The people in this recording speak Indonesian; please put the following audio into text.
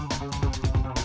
enggak enggak enggak